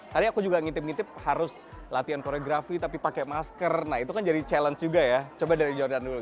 tadi aku juga ngitip ngitip harus latihan koreografi tapi pakai masker nah itu kan jadi challenge juga ya coba dari jordan dulu